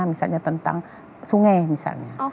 misalnya tentang sungai misalnya